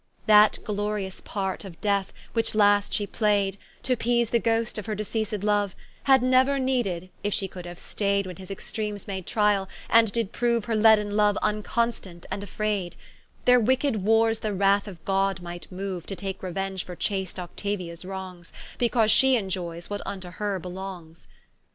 That glorious part of Death, which last she plai'd, T'appease the ghost of her deceased Loue, Had neuer needed, if shee could haue stai'd When his extreames made triall, and did proue Her leaden loue vnconstant, and afraid: Their wicked warres the wrath of God might moue To take reuenge for chast Octavia's wrongs, Because shee enjoyes what vnto her belongs.